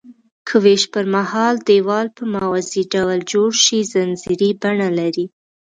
که ویش پرمهال دیوال په موازي ډول جوړ شي ځنځیري بڼه لري.